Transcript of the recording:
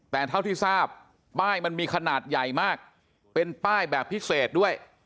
แต่เท่าที่ทราบป้ายมันมีขนาดใหญ่มากเป็นป้ายแบบพิเศษด้วย